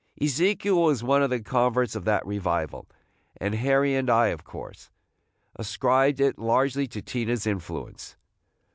Ezekiel was one of the converts of that revival, and Harry and I, of course, ascribed it largely to Tina's influence.